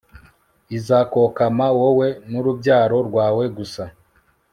izakokama wowe n'urubyaro rwawe, gusa